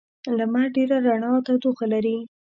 لمر ډېره رڼا او تودوخه لري.